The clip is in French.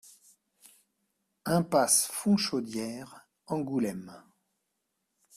Impasse Fontchaudière, Angoulême